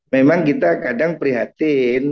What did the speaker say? memang kita kadang prihatin